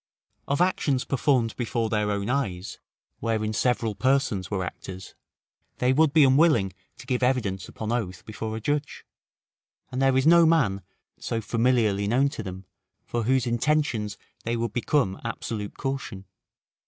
Of actions performed before their own eyes, wherein several persons were actors, they would be unwilling to give evidence upon oath before a judge; and there is no man, so familiarly known to them, for whose intentions they would become absolute caution.